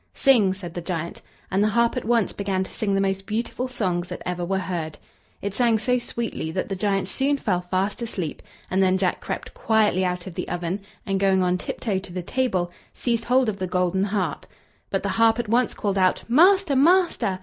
"Sing!" said the giant; and the harp at once began to sing the most beautiful songs that ever were heard. It sang so sweetly that the giant soon fell fast asleep; and then Jack crept quietly out of the oven, and going on tiptoe to the table, seized hold of the golden harp. But the harp at once called out: "Master! master!"